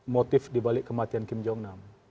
motif di balik kematian kim jong nam